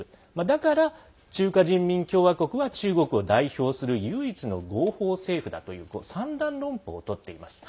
だから、中華人民共和国は中国を代表する唯一の合法政府だという３段論法をとっています。